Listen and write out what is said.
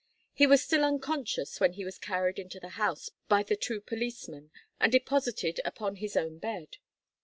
He was still unconscious when he was carried into the house by the two policemen and deposited upon his own bed.